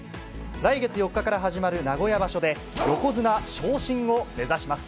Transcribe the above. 来月４日から始まる名古屋場所で、横綱昇進を目指します。